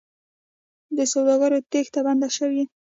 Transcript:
د سوداګرو تېښته بنده شوې؟